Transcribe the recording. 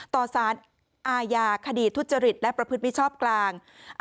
ต่อสารอาญาคดีทุจริตและประพฤติมิชชอบกลาง